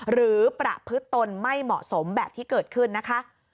ประพฤติตนไม่เหมาะสมแบบที่เกิดขึ้นนะคะ